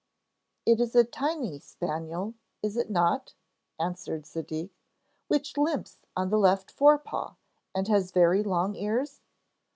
'It is a tiny spaniel, is it not?' answered Zadig, 'which limps on the left fore paw, and has very long ears?'